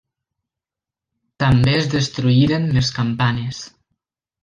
També es destruïren les campanes.